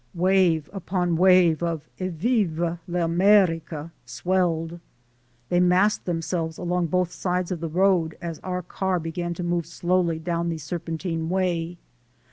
Wave upon wave of "Evviva 1' America" swelled. They massed themselves along both sides of the road, as our car began to move slowly down the serpentine way.